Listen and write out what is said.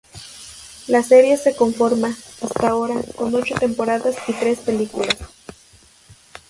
La serie se conforma, hasta ahora, con ocho temporadas y tres películas.